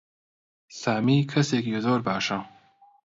سامی کەسێکی زۆر باشە.